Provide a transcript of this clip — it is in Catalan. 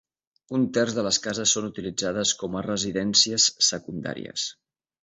Un terç de les cases són utilitzades com a residències secundàries.